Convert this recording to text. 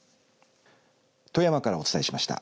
富山からお伝えしました。